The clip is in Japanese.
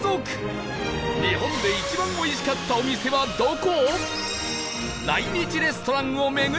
日本で一番おいしかったお店はどこ？